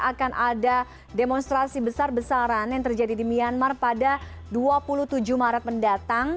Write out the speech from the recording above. akan ada demonstrasi besar besaran yang terjadi di myanmar pada dua puluh tujuh maret mendatang